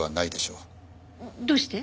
どうして？